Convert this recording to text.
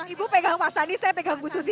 ibu pegang pak sandi saya pegang bu susi